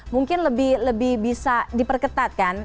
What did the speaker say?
mungkin lebih bisa diperketatkan